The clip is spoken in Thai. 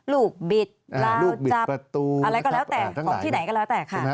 ลูกบิดราวจับอะไรก็แล้วแตะที่ไหนก็แล้วแตะค่ะ